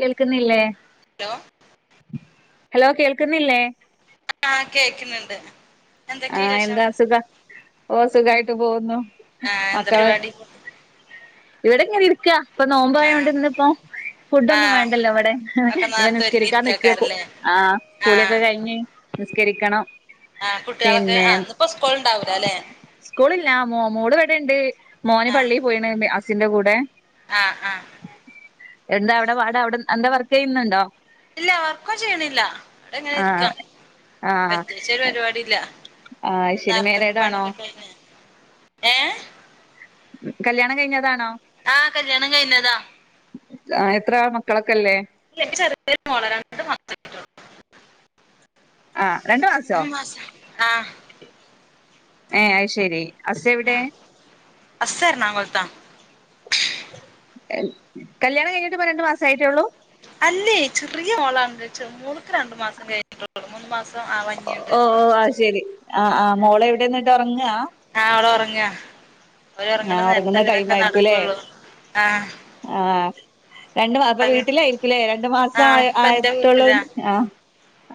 കേൾക്ക്ന്നില്ലേ hello hello കേൾക്ക്ന്നില്ലേ ആഹ് കേക്ക്ന്ന്ണ്ട് ആ എന്താ സുഖ ഓ സുഖായിട്ട് പോവ്ന്നു ആ എന്താ പരിപാടി ഇവടെങ്ങനെ ഇര്ക്കാ ഇപ്പൊ നോമ്പായോണ്ട് ആഹ് ഇന്ന്പ്പോ ഫുഡൊന്നും ആഹ് വേണ്ടല്ലോ ഇവടെ ഒക്കെ ഇനിപ്പ നേർത്തെ നിസ്കരിക്കാ നിക്കാ ഒരുങ്ങിയിരിക്കക്കാരല്ലേ ആ ആഹ് കുളിക്കെ കഴിഞ്ഞ് നിസ്കരിക്കണം ആഹ് കുട്യാളൊക്കെ പിന്നെ ആ ന്നിപ്പോ സ്കൂളില്ല മോ മോള് ഇവടണ്ട് മോന് ആഹ് പള്ളി പോയീണ് സിന്റെ കൂടെ ആഹ് ആഹ് എന്താ അങ്ങനെ അവിടെ പാട് അവിടെ എന്താ വർക്കെയ്യുന്നുണ്ടോ ഇല്ല വർക്കൊന്നും ചെയ്യ്ണില്ല ഇവടങ്ങനെ ആ ഇരിക്ക ആ പ്രത്യേകിച്ചൊരു പരിപാടില്ല ആ ഇന്ന് ശരി നേര്ത്തൊക്കെ മാരീഡ് ആണോ പണിഒക്കെ കഴിഞ്ഞ് ഏഹ് കല്യാണം കഴിഞ്ഞതാണോ ആഹ് കല്യാണം കഴിഞ്ഞതാ ആ എത്രാ മക്കളൊക്കെല്ലേ ഏനിക്ക് ചെറിയൊരു മോളാ രണ്ട് മാസായിട്ടൊള്ളൂ ആ രണ്ട് മാസോ ആഹ് ഏ അത് ശെരി ഹസ്സ് എവിടെ? ഹസ്സ് എർണാകൊൾത്താ കല്യാണം കഴിഞ്ഞിട്ട് ഇപ്പൊ രണ്ട് മാസായിട്ടേ ഒള്ളൂ അല്ലെ ചെറിയ മോളാണ് മോള്ക്ക് രണ്ടു മാസം കഴിഞ്ഞിട്ടെ ഒള്ളു മൂന്ന് മാസം ആവാഞ്ഞിണ്ട് ഓ ഓ കുറച്ച് ആ ദിവസം കൂടെ ശെരി ആ ആ മോളെവിടെന്നിട്ട് ഒർങ്ങാ ഒർങ്ങാ ആ ഒർങ്ങുന്ന ടൈമായിരിക്കുംല്ലേ ആഹ് ആ രണ്ടു മാ അപ്പൊ വീട്ടിലായിരിക്കുലേ രണ്ടു മാസം ആ ആഹ് ഇപ്പ എന്റെ ആയിട്ടൊള്ളൂ വീട്ടിലാ ആ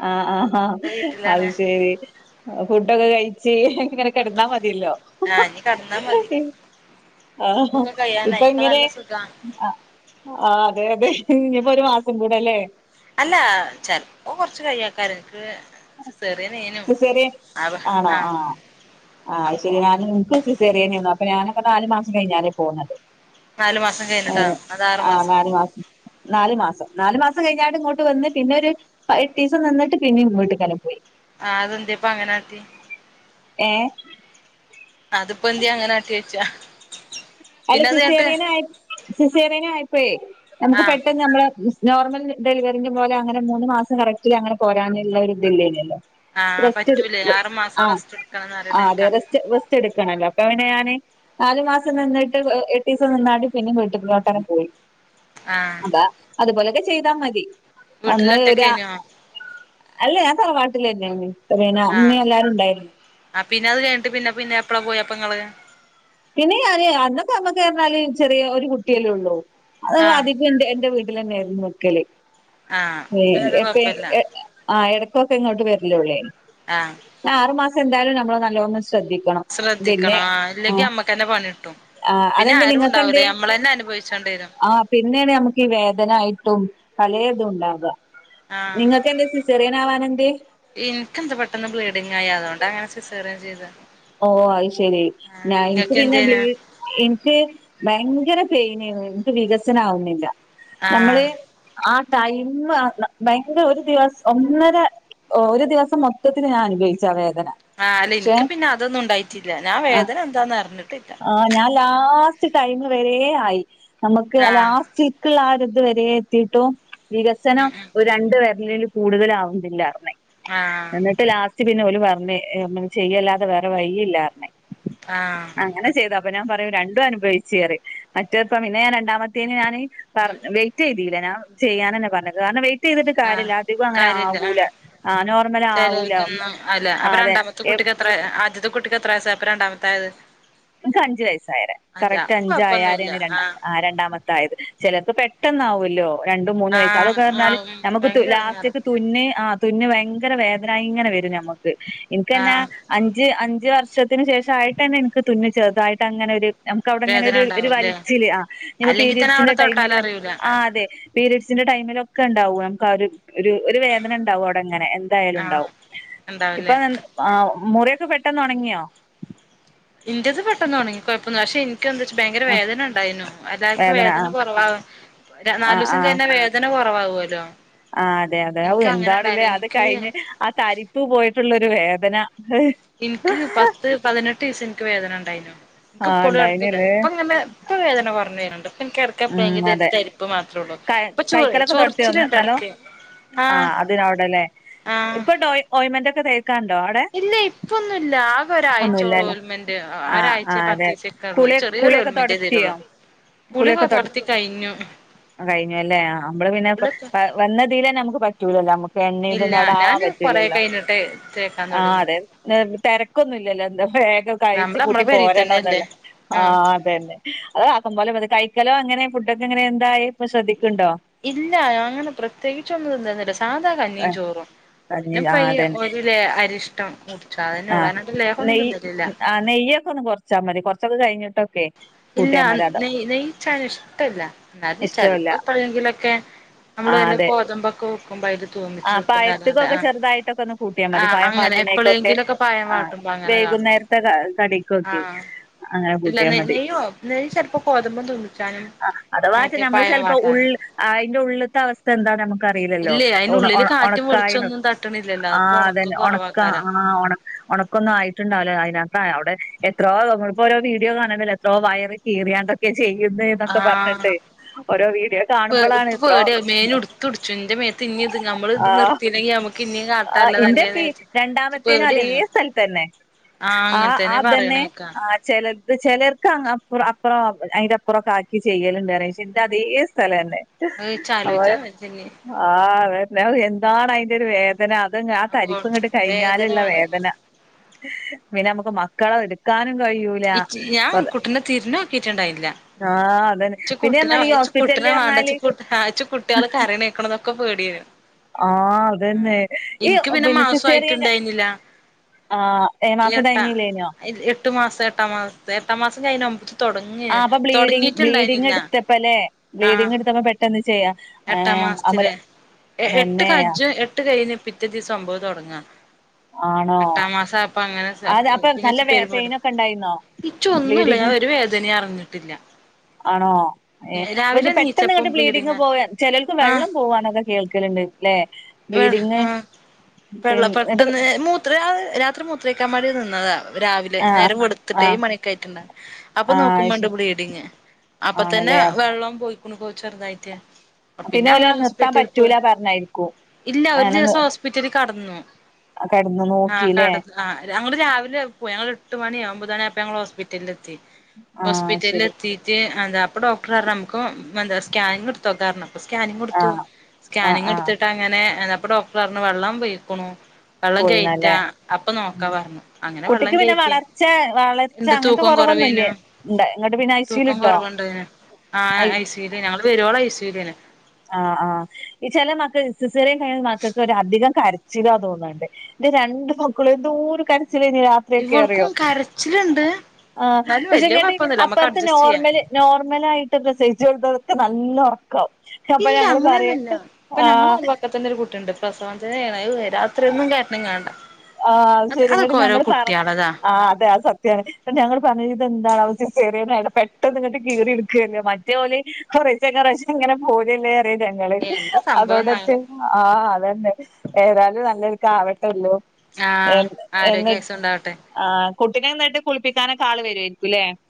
ആ ആ ആ എന്റെ അത് വീട്ടിലാണ് ശെരി ഫുഡൊക്കെ കഴി ച്ച് ഇങ്ങനെ ഉണ്ട് കെട്ന്നാ മതിയല്ലോ ആഹ് ഇനി കടന്നാ മതി ആഹ് സുഖൊക്കെ കഴിയാനായി ഇപ്പൊ ഇപ്പ ഇങ്ങനെ നല്ല സുഖാ അ ആ അതെ അതെ ഇനിപ്പോ ഉം ഒരു മാസം കൂടെ അല്ല ചെൽപ്പോ കൊർച്ച് കയ്യെക്കാരം ഇൻക്ക് സിസേറിയൻ ആണോ ആ ആഹ് അത് അപ്പൊ ശെരി ഞാന് ഇൻക്കും സിസേറിയനെന്നു അപ്പൊ ഞാനൊക്കെ നാല് മാസം കഴിഞ്ഞാരെ പോന്നത് നാലു മാസം ഏ കഴിഞ്ഞിട്ടാ അത് ആറു ആ നാലു മാസം നാലു മാസം നാലു മാസം കഴിഞ്ഞാട്ട് ഇങ്ങോട്ട് വന്ന് പിന്നെ ഒര് എട്ടീസം നിന്നിട്ട് പിന്നെ വീട്ട്ക്കന്നെ പോയി ആഹ് അതെന്തെ ഇപ്പം അങ്ങനാട്ടി ഏ അതിപ്പോ എന്തെ അങ്ങനാട്ടി ഓയ്ച്ചാ അല്ല സിസേറിയനായി സിസേറിയനായപ്പയേ നമുക്ക് ആഹ് പെട്ടെന്ന് നമ്മളെ നോർമൽ ഡെലിവറിൻ്റെ പോലെ അങ്ങനെ മൂന്ന് മാസം കറക്റ്റില് അങ്ങനെ പോരാന്ല്ല ഒരു ഇത് ഇല്ലേനല്ലോ ആഹ് റസ്റ്റെട് പറ്റൂലേ ആറു ആ മാസം റെസ്റ്റ് എടുക്കണംന്ന് അതെ പറയണേക്കാ റെസ്റ്റ് റസ്റ്റ് എടുക്കണല്ലോ അതോണ്ട് ഞാന് നാലു മാസം നിന്നിട്ട് എട്ടീസം നിന്നാണ്ട് പിന്നിം വീട്ട്കന്നെ പോയി ആഹ് അപ്പാ അതുപോലൊക്കെ ചെയ്താ മതി അന്ന് വീട്ടില് ഒരു ഒറ്റക്കെന്യോ അല്ല ഞാൻ തലവാട്ടിലെന്നേണ് ഇത്രേന ആഹ് അമ്മേം എല്ലാരും ഇണ്ടായിരുന്നു ആഹ് പിന്നെ അത് കഴ്ഞ്ഞ്ട്ട് പിന്നെ പിന്നെ എപ്പളാ പോയപ്പങ്ങള്? പിന്നെ ഞാന് അന്നൊക്കെ നമ്മക്ക്ർഞ്ഞാല് ചെറിയ ഒരു കുട്ടിയല്ലേ ഉള്ളൂ. അത് ആഹ് അതികും എന്റെ എന്റെ വീട്ടിലന്നെ ആയ്രുന്നു നിക്കല്. ആഹ് ഏഹ് പിന്നെത് എപ്പ കൊഴപ്പല്ല ആഹ് എട ക്കൊക്കെ ഇങ്ങോട്ട് വര്ലുള്ളേനി. ആഹ് ആറു മാസം എന്തായാലും നമ്മള് നല്ലോണം ശ ശ്രദ്ധിക്കണം പിന്നെ ആഹ്. ക്കെന്നെ പണിട്ടും. ആഹ് അതെന്തെ നിങ്ങക്കെന്തെ അനുഭവിച്ചോണ്ടി വരും ആ പിന്നെയാണ് നമുക്ക് ഈ വേദനായിട്ടും പലേതും ഉണ്ടാക. ആഹ് നിങ്ങക്ക് എന്തേ സിസേറിയൻ ആവാനെന്തേ? ക്കെന്താ പെട്ടെന്ന് ബ്ലീഡിങ് ആയി. അതോണ്ടങ്ങനെ സിസേറിയൻ ചെയ്ത്. ഓഹ് അത് ശരി. ഞാ ഇൻക്ക് പിന്നെ ബ്ലീ ഇങ്ങക്കെന്തേനു ഇൻക്ക് ഭയങ്കര പെ യ്നേന്നു. ൻക്ക് വികസനാവ്ന്നില്ല നമ്മള് ആഹ് ആ ടൈമ്മ് ആഹ് ന ഭയങ്കര ഒരു ദിവസ ഒന്നര ഒ ഒരു ദിവസം മൊത്തത്തില് ഞാ അനുഭവിച്ചാ വേദ ആഹ് അല്ല ഇൻക്ക് പിന്നെ അതൊന്നും ഉണ്ടായിട്ടില്ല ഞാൻ ആ വേദന എന്താന്ന് അറിഞ്ഞിട്ടില്ലാ ച്ച് ടൈമ് വരേ ആയി നമുക്ക് ആ ആഹ് ലാസ്റ്റ്ക്ക്ള്ള ആ ഒര് ഇത് വരേ എത്തീട്ടും വികസനം ഉം ഉം ഒരു രണ്ട് വെരലില് കൂടുതല് ആവുന്നില്ലാറിഞ്ഞ് ആ ആഹ് റ്റ് പിന്നെ ഓല് പർഞ്ഞ് ഏ നമ്മള് ചെയ്യല്ലാതെ വേറെ വഴി ഇല്ലാർഞ്ഞ് ആഹ് അങ്ങനെ ചെയ്തതാ അപ്പൊ ഞാൻ പറയും രണ്ടും അനുഭവിച്ച്പറിം മറ്റേപ്പം പിന്നെ ഞാന് രണ്ടാമത്തേന് ഞാന് വെയിറ്റ് ചെയ്തീലാ ഞാൻ ചെയ്യാൻന്നെ പർഞ്ഞ് കാരണം വെയ് റ്റെയ്തിട്ട് ആഹ് കാര്യല്ല അധികു അങ്ങനെ കാര്യല്ല ആഹ് ആവൂലാ ആ നോർമൽ ആവൂലാ ആ അതെ എപ്പ ഇത് എത്ര ആദ്യത്തെ കുട്ടിക്ക് എത്ര വയസ്സായപ്പ രണ്ടാമത്തെ ആയത് ഇൻക്കഞ്ചു വയസ്സായാരെ അഞ്ചാ കറക്റ്റ് കൊഴപ്പൊന്നുല്ല അഞ്ചായാരേണ് രണ്ടാ ആഹ് ആ രണ്ടാമത്തായത് ചെലര്ക്ക് പെട്ടന്നാവു ല്ലോ രണ്ടും മൂന്ന് വയസ്സ് ആഹ് അതൊക്കെ പറഞ്ഞാല് ആഹ് ഉം നമുക്ക് ഭയങ്കര എടങ്ങേറാ ലാസ്റ്റത്തെ തുന്ന് ആഹ് തുന്ന് ഭയങ്കര വേദനായി ഇങ്ങനെ വരും ഞമ്മുക്ക് എനിക്ക്ന്നെ ആഹ് അഞ്ച് അഞ്ച് അഞ്ചു വർഷത്തിന് ശേഷം ആയിട്ട് തന്നെ എനിക്ക് തുന്നി ചെറുതായിട്ട് അങ്ങനെ ഒരു നമുക്ക് അവിടെങ്ങനെ വേദന ഒരു ഒരു ഉണ്ടാവുംല്ലേ വലിച്ചില് ആ ഇനി അല്ലെങ്കി തന്നെ അവിടെ പീരിയഡ്സിന്റെ ടൈമിലും തൊട്ടാലറിയൂല ആഹ് അതെ പീരിഡ്സിന്റെ ടൈമിലൊക്കെ ഉണ്ടാവും നമുക്ക് ആ ഒരു ഒരു ഒരു വേദനണ്ടാവും അവിടെങ്ങനെ എന്തായാലും ആഹ് ഉണ്ടാവും ഇപ്പൊ ഉണ്ടാവുംല്ലേ ആഹ് മുറിഒക്കെ പെട്ടെന്ന് ഒണങ്ങിയോ ഇന്റത് പെട്ടന്നൊണങ്ങി കുഴപ്പന്നും ഇല്ല പക്ഷേ ഇൻ ഇൻക്കെന്താച്ച് ഭയങ്കര ആ വേദന ഉണ്ടായിരുന്നു എല്ലാർക്കും വേദന കുറവാവ്. നാലൂസം കഴിഞ്ഞാ വേദന കുറവാവൂലോ ആഹ് അതെ അതെ ഹാവൂ എന്താണ്ല്ലേ അത് എനിക്ക് കഴിഞ്ഞ് ആ തരിപ്പ് പോയിട്ടുള്ള ഒരു വേദന ഇൻക്ക് പത്ത് പതിനെട്ട് ദീസം ഇൻക്ക് വേദനണ്ടായിന്നു ഇക്ക് ആ ഇപ്പഴും എടക്ക് വേദ ഉണ്ടായിനല്ലേ ഇപ്പ ഇങ്ങനെ ഇപ്പൊ വേദന കുറഞ്ഞു വര്ന്ണ്ട് ഉം ഇപ്പൻക്കെട്ക്കെപ്പഴങ്കിലും ഒരു അതെ തരിപ്പ് മാത്രേ ഒള്ളൂ ക ഇപ്പൊ ചൊറി ചൊർച്ചിലിണ്ട് എടക്ക് ആഹ് അതിന് അവിടെല്ലേ ആഹ് ഇപ്പണ്ടോ ഓയ് ഓയ്മന്റ് ഇല്ല ഇപ്പൊന്നും ഇല്ല ആകെ ഒരാഴ്ച ഉള്ളൂ ഒന്നുല്ലല്ലോ ഒൽമൻറ് ആ ആ ഒരാഴ്ചയ അതെ പത്തീസം ഒക്കെ ഉള്ളൂ- കുളി ചെറിയൊരു കുളിയൊക്കെ ഓൽമെന്റ തരുള്ളോ തൊടത്തിയോ - കുളിയൊക്കെ കഴിഞ്ഞു അല്ലേ നമ്മള് പിന്നെ സ്കൂളിലൊക്കെ വന്നതിൽന്നെ നമുക്ക് പറ്റൂലല്ലേ നമക്ക്- എന്നെ ഇല്ല ഇതൊന്നും അവിടെ ആവാൻ ഞാന് കൊറെ പറ്റൂലല്ലോ കഴിഞ്ഞിട്ട് തേക്കാൻ ആഹ് അതെ തുടങ്ങിയത് നെ തെരക്കൊന്നും ഇല്ലല്ലോ- എന്താ വേഗം കഴിച്ച് നമ്മള് നമ്മളെ കൂട്ടി പെരീ തന്നെയല്ലേ പോരണംന്നുള്ള ആഹ് അതന്നെ അത് ആക്കം പോലെ അത് ക ഴിക്കലോ അങ്ങനെ ഫുഡൊക്കെ അങ്ങനെന്തായി- ഇല്ല അങ്ങനെ പ്രത്യേകിച്ചൊ ഒന്നുംതിന്തിന്നില്ല സാധാ കഞ്ഞിയും ആഹ് ചോറും- കഞ്ഞി പിന്നെ ആഹ് പയ്യേ അതന്നെ ഒരുലെ അരിഷ്ടം കുടിച്ചു അതന്നെ ഉള്ളു ആഹ് അല്ലാണ്ട് ലേഹ്യന്നും തിന്നിട്ടില്ല- ച്ചാമതി കൊറച്ചൊക്കെ കഴിഞ്ഞിട്ടൊക്കെ- ഇല്ല കൂട്ടിയാൽ മതി അതോ നെയ് നെയ്ച്ചാണ് ഇഷ്ടില്ല എന്നാലും ഇഷ്ടമല്ല ചെലപ്പോ എപ്പോഴെങ്കിലൊക്കെ- നമ്മള് നല്ല ഗോതമ്പൊക്ക ആ പഴത്തക്ക് ഒക്കെ ചെറുതായിട്ടൊക്കെ ഒന്ന് കൂട്ടിയാൽ മതി ആഹ് പഴം അങ്ങനെ വാട്ടിനേക്കൊക്കെ എപ്പളെങ്കിലൊക്കെ പഴം ആ വാട്ടുമ്പോ അങ്ങനെ കാട്ടും വൈകുന്നേരത്തെ കടിക്കൊക്കെ അങ്ങനെ കൂട്ടിയാ മതി യ്യോ ലേശൽപ്പോ ഗോതമ്പം തുന്നിച്ചാനും ആഹ് അഥവാ മറ്റേ നമ്മള് പഴം ചെലപ്പോ വാട്ടാനും ഉള്ള് അയിന്റെ ഉള്ളിലത്തെ അവസ്ഥ എന്താണ് നമുക്ക് അറിയില്ലല്ലോ ഇല്ലേ അയിന്റെ ഉള്ളില് കാറ്റും ഉണക്കായന വെളിച്ചൊന്നും തട്ടണില്ലല്ലോ ആ അപ്പൊ ഒണക്കം അതന്നെ ഉണക്ക കൊറവാക്കാരം ആ ഉണക്കൊന്നും ആയിട്ടുണ്ടാവല്ലേ അയിന് ആ അവിടെ എത്രോ നമ്മിളിപ്പോ രോ വീഡിയോ കാണ എത്രോ വയർ കീറിയാണ്ടൊക്കെ ചെയ്യുന്ന എന്നൊക്കെ ആഹ് പറഞ്ഞിട്ട് ഓരോ വീഡിയോ പേ കാണുമ്പോഴാണ് ഇപ്പ ഇത്രോ പേടിയാ മേന് ഇടുത്തുടിച്ചു ഇന്റെ മേത്ത് ഇഞ്ഞി ഇത് നമ്മള് ആ ഇത് നിർത്തിയില്ലെങ്കി നമുക്ക് ഇഞ്ഞി ആ കാട്ടാള്ളതല്ലേന്ന് ഇന്റെപ്പ വിചാരിച്ച് ഇച്ച് രണ്ടാമത്തേനും അതേ പേടിയാണ് സ്ഥലത്തന്നെ ആഹ് ആ അങ്ങനെ തന്നെ അതന്നെ പറയണേക്കാ ആ ചിലത് ചിലർക്കനൊപ്പുറം അപ്പറം അയിന്റെപ്പുറൊക്ക ആക്കി ചെയ്യലുണ്ടന്റെ ഇൻ്റെ അതേ സ്ഥലന്നെ അത് ഇച്ച് അ ആലോയിച്ചാ വജ്ജന്നെ ആതെ എന്താണ് അതിന്റെ ഒരു വേദ ദന അതന്നെ ആ തരിപ്പുഇങ്ങട്ട് കഴിഞ്ഞാലുള്ള വേദനയാണ് വേദന പിന്നെ നമുക്ക് കള ഇടക്കാൻ ഇച്ച് ഞാൻ കുട്ടിനെ തിരിഞ്ഞ് നോക്കിട്ടുണ്ടായിനില ആ അതന്നെ ഇച്ച് പിന്നെ കുട്ടിനെ പറഞ്ഞാല് ഈ വച്ചു ഇച്ച് കുട്ടിനെ ഹോസ്പിറ്റലില് പറഞ്ഞാല് വാണ്ടച്ചട്ട ഇച്ച് കുട്ടികൾ കരങ്ങീക്കണതൊക്കെ പേടിയരുന്നു ആ അതന്നെ ഈ ഇനിക്ക് പിന്നെ സിസേറിയൻ മാസയിട്ടുണ്ടായിന്നില്ല ആ ഏഴാം എനിക്ക് മാസം എട്ട കഴിഞ്ഞില്ലേനോ എട്ടു മാസം എട്ടാം മാസം എട്ടാം മാസം കഴഞ്ഞ ഒമ്പ തുടങ്ങിയ ആ അപ്പൊ ബ്ലീഡിങ് തുടങ്ങിട്ട് ബ്ലീഡിങ് എടുത്തപ്പ അല്ലേ ബ്ലീഡിങ് എടുത്തപ്പ പെട്ടെന്ന് ചെയ്യാം എട്ടാം അമ്മള് മാസത്തില് എട്ട് കജും എട്ട് പിറ്റേ ദിവസംഒമ്പത് തുടങ്ങ ആണോ എട്ടാം മാസം ആപ്പ അങ്ങനെ അത് അപ്പൊ നല്ല വേ [unintelligible] പെയിനൊക്കെ ഉണ്ടായിരുന്നോ ഇച്ച ഒന്നുംല്ല ബ്ലീഡിങ് ഞാൻ ഒരു വേദന അറിഞ്ഞിട്ടില്ല ആണോ ഏ അപ്പൊ പിന്നെ രാവിലെ പെട്ടെന്ന് നീച്ചപ്പം ഇങ്ങോട്ട് ബ്ലീഡിങ് ബ്ലീഡിങ്ങാ പോകൻ ചിലർക്ക് ആഹ് വെള്ളം പോവാനൊക്കെ കേൾക്കലുണ്ട് ല്ലെ ബ്ലീഡിങ് പിൻ എന്നിട്ട് വെള്ളപ്പെട്ടന്ന് മൂത്ര രാത്രി മൂത്രയിക്കാൻ വാണ്ടി നിന്നതാ രാവിലെ ആ നേരം വെളുത്തിട്ട് ആ ഏഴ് മണിക്കായിയിട്ടുണ്ട അപ്പൊ ആ നോക്കുമ്പോണ്ട് ശരി ബ്ലീഡിങ് അപ്പൊ തന്നെ ആണല്ലേ വെള്ളം പോയിക്കണ പോചെറുതായിട്ട് പിന്നെ ഓലെ അങ്ങനെ നിർത്താൻ ഹോസ്പിറ്റല് പോയി പറ്റൂല പറഞ്ഞായിരിക്കും ഇല്ല ഒരു ദിവസം ഹോസ്പിറ്റലി കടന്നു കടന്ന് ആഹ് നോക്കില്ലേ കടന്ന് ആഹ് ഞങ്ങള് രാവില പോയി ഞങ്ങള് എട്ട് മണി ഒമ്പത് മണി അപ്പ ഞങ്ങള് ഹോസ്പിറ്റല് എത്തി ആ ശരി അതാ അപ്പൊ ഡോക്ടർാര നമുക്ക് എന്താ സ്കാനിങ്ങ് എടുത്തോക്ക പറഞ്ഞു സ്കാനിങ് ആ കൊടുത്തു ആ സ്കാനിങ് ആ എടുത്തിട്ട് അങ്ങനെ എന്നപ്പ ഡോക്ടർപറഞ്ഞു വെള്ളം പയികുണു വെള്ളം പോയിണല്ലേ കഴറ്റാ അപ്പൊ നോക്കാ ഉം. പറഞ്ഞു അങ്ങനെ വെള്ളം കുട്ടിക്ക് കേറ്റി ഇണ്ട് തൂക്കം കൊ വൊന്നൂല്യ എന്നിട്ട് പിന്നെ അ തൂക്കം കുറവുണ്ട് ആ ഐസുല ഞങ്ങള് വരുവോളോ ഐസുലേന്ന് ആ ആഈ ചില മക്കക്ക്സിസേറിയൻ കഴിഞ്ഞൽ മക്കൊക്ക ഒരഅധികം കര ചിലാ തോന്നണ്ടേ എന്റെ രണ്ടു മക്കളും എന്തോ ഒരു കരച്ചില രാത്രിയൊക്കെ അറിയോ ഇവൾക്കും കരച്ചിലുണ്ട് ആ എന്നാലും വല്യ പക്ഷെങ്ങട്ട് കുഴപ്പൊന്നുല്ല നമ്മക്ക് അപ്പറത്തെ അഡ്ജസ്റ്റ് ചെയ്യാം നോർമല് നോർമല ആയിട്ട് പ്രസയിച്ചുത്തോ നല്ല ഒറക്ക ഇല്ല അങ്ങനെയൊന്നും ഇല്ല ഇപ്പൊ ഞങ്ങള ആഹ് അയൽവക്കത്തന്നെ ഒരു കുട്ടിണ്ട് പ്രസവത്തന്നെ രാത്രി എന്നും കരഞ്ഞ്കണ്ടാ ആ ശരി ങ്ങട്ട് ഞങ്ങള് പറ ആ അതെ ആ സത്യമാണ് ഞങ്ങള് പറഞ്ഞ ഇത് എന്താണ് അവ ചെറിയടെ പെട്ടെന്ന് ഇങ്ങട്ട് കീറിടുക്കല്ലോ മറ്റെ ഓല് കുറേശെ കുറേശെ ങ്ങനെ പോരല്ലേ അത എന്താ സംഭവംന്നാ അതോണ്ടന്നെ ആ അതന്നെ ഏതായാലും [unintelligible] ഏ ആഹ് ആരോഗ്യ ആയുസ്സും ഉണ്ടാവട്ടെ ആ കുട്ടിനെന്നട്ട് കുളിപ്പിക്കാനക്ക ആള് വര്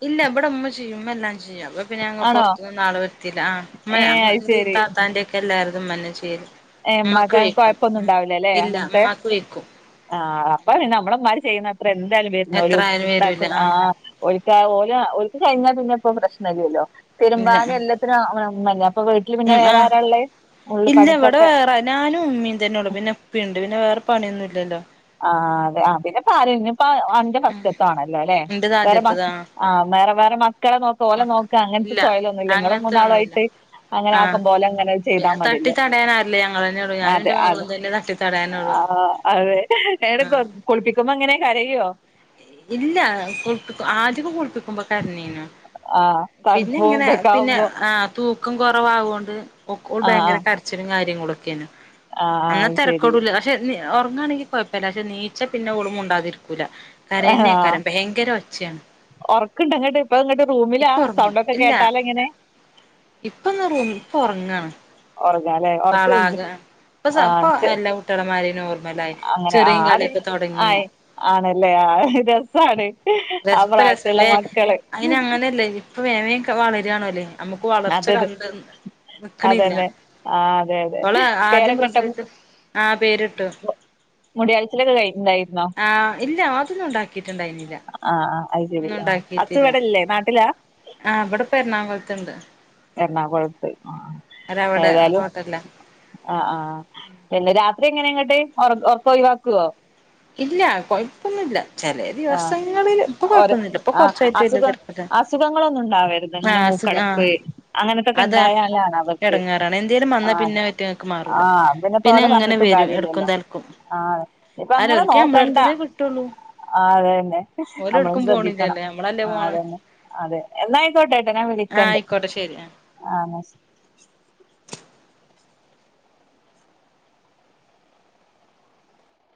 ഇല്ല ഇവിടെ ഉമ്മ ചെയ്യുംമ്മ എല്ലാം ചെയ്യും അപ്പ പിന്നെ ഞങ ആണോ പുറത്തന്നെ ആള വരുത്തില്ല ആ ഏ അത് മ്മ താത്താന്റെ ഒക്കെ എല്ലാരതും ഇമ്മാനെ ചെയ്യല് ഏ ഉമ്മാക്ക് മ്മക്ക് വയ്ക്കും ഉം കൊഴപ്പൊന്നുംണ്ടാവില്ലല്ലെ ഇല്ല അങ്ങനത്തെ ഉമ്മാക്ക് വയ്ക്കും ആ അപ്പൊ നമ്മളമാര് ചെയ്യുന്ന എന്തായാലും എത്ര വരുന്നോലും ആയാലും വരൂല ആഹ് ആഓല്ക്ക് ഓല ഓല്ക്ക് കഴിഞ്ഞാൽ പിന്നെപ്പോ പ്രശ് ല്ലല്ലോ ഇല്ല തിരുമ്പാനും എല്ലാത്തിനുംഅപ്പൊഇമ്മാനെ വീട്ടിൽ പിന്നെ ഉം വേറെ ആഹ് ആര ളള് ഉള്ള് ഇല്ല പണി ഇവിടെ വേറെ ഞാനും ഉമ്മീൻ തന്നെയെ ള്ളൂ പിന്നെപ്പീം ഉണ്ട് പിന്നെ വേറെ പണിയൊന്നും ഇല്ലല്ലോ ആ അതെ ആ പിന്നെ പാര് അന്റെ ഫസ്റ്റത് ആണല്ലോ അല്ലേ എന്റത് വേറെ മ ആദ്യത്തതാ ആ വേറെ വേറെ മക്കളെ നോക്ക ഓലെ മക്ക നോക്ക അങ്ങനെ അങ്ങ ഇല്ല സ്വയല ഒന്നുമ ഇല്ല ഇങ്ങും അങ്ങനത്തെ മൂന്നാളു ഒന്നുല്ല ആയിട്ട് അങ്ങനെ ആക്ക ആഹ് പോോലെ അങ്ങനെ ചെയ്താ മതില്ല തട്ടി തടയാൻ ആരില്ല ഞങ്ങളെന്നെള്ളൂ ഞാനും അതെ എന്റെ അതെ മകളും തന്നെ തട്ടി തടയാനുള്ളൂ ആ അതെ എട ആഹ് കുളിപ്പിക്കുമ്പോ അങ്ങനെ കരയുവോ ഇല്ല കുളിപ്പി ആദ്യൊക്കെ കുളിപ്പിക്കുമ്പോ ആഹ് പിന്നെ തണുപ്പും എങ്ങനെ ഇതൊക്കെ പിന്നെ ആവുമ്പോ ആ തൂ ഒക്കും കുറവാകുക കൊണ്ട് ഒക്കൾ ആഹ് ഭയങ്കര ആഹ് കരച്ചിലും കാര്യങ്ങളൊക്കെയാണ് ആഹ് ആഹ് അന്നാ അത് ശരി തിരക്കോടൂല പക്ഷെ ഉറങ്ങാണെങ്കി കുഴപ്പമില്ല പക്ഷെ നീച്ച പിന്നെ ഒളുമും ഉണ്ടാതിരിക്കൂില്ല കരന്നെയക്കാരം ഭയങ്കര ഒച്ചയാണ് ഉറക്കുണ്ട് അങ്ങോട്ട് ഇപ്പ ഇങ്ങോട്ട് റൂമിലാ ഇപ്പൊ ഉറങ്ങും സൗണ്ട ഒക്കെ ഇല്ല കേട്ടാല എങ്ങനെ ഇപ്പൊന്ന് റൂമില ഇപ്പൊ ഉറങ്ങാണ് ഒറങ്ങാല്ലേ ഒർക്ക് ആളാക ഇപ്പൊ ഇപ്പൊ ആഹ് എല്ലാ കുട്ടികളമാര് അങ്ങനെ ആ അത് ആയി ആണല്ലേ ആ രസാണ് അ രസപ്പ പ്രത്തുള്ള മക്കള അപ്പൊ വേമയും വളരുകയാണോല്ലേ നമ്മുക്ക് വളർച്ച അതൊരു കണ്ട നക്കണില്ല അതന്നെ ആ അതെ അതെ അവളെ ആദ്യം പേരൊക്കെ ഇട്ട പ്രസവിച്ച ആ പേരിട്ടു മുടിയാഴ്ചലൊക്കെ കഴിഞ്ഞിണ്ടായിരുന്നോ ആ ഇല്ല അതൊന്നും ഉണ്ടാക്കിട്ടുണ്ടായിനി ആ അത് ശരി ആ അസുവിടല്ലേ നാട്ടിലാ ആ ഇവിടെ എറണാകുളത്തുണ്ട് എറണാകുളത്ത് ആ ഒരവിടെ ഏതായാലും ഹോട്ടലില ആ ആ പിന്നെ അത്ര എങ്ങനെ ഇങ്ങോട്ട് ഉറക്ക ഒഴിവാക്കുവോ ഇല്ല കുഴപ്പൊന്നുമില്ല ചില ആ ദിവസങ്ങളിൽ ഇപ്പ ഓരോ കുഴപ്പൊന്നില്ല ഇപ്പൊ ആ കൊറച്ചായിട്ടും ഇല്ല അസുഖം തിരക്കില്ല അസുഖങ്ങളൊന്നും ഉണ്ടാവരുത് ആ ഇങ്ങനെ ആ മൂക്കടപ്പ് അങ്ങനത്തൊക്കെ അതാ ഉണ്ടായാലാണ് അവർക്ക് ഇടങ്ങാറാണ് എന്തേലും ആ വന്നാൽ പിന്നെ അതെ ഒറ്റങ്ങൾക്ക് ആ മാറൂല പിന്നെ എങ്ങനെ വരും എടക്കും ലക്കും ആ ഇപ്പ അര ഒരിക്കേ നമ്മള അർത്തുന്നന്നേ കിട്ടുള്ളൂ ആ അതെ തന്നെ നമ്മളും ശ്രദ്ധിക്കണം നമ്മളല്ലേ ആ പോണെ അതന്നെ അതെ എന്നായിക്കോട്ടെട്ടാ ഞാ ആഹ് വിളിക്കണ്ട് ആയിക്കോട്ടെ ശരി ആഹ് ആ അ